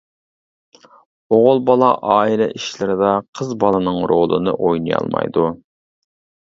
ئوغۇل بالا ئائىلە ئىشلىرىدا قىز بالىنىڭ رولىنى ئوينىيالمايدۇ.